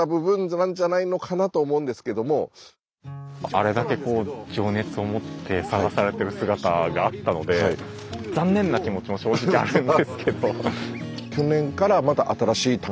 あれだけ情熱を持って探されてる姿があったので残念な気持ちも正直あるんですけど。